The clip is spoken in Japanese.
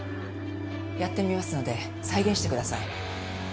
やってみますので再現してください。